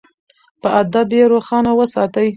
په ادب یې روښانه وساتئ.